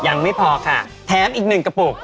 ยังไม่พอค่ะแถมอีกหนึ่งกระปุก